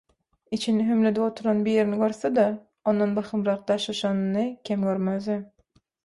Içini hümledip oturan birini görse-de ondan bahymrak daşlaşanyny kem görmezdi.